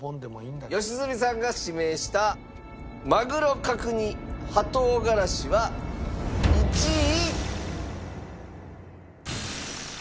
良純さんが指名したまぐろ角煮はとうがらしは１位。